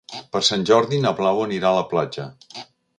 Per Sant Jordi na Blau anirà a la platja.